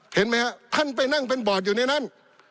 เห็นไหมฮะท่านไปนั่งเป็นบอร์ดอยู่ในนั้น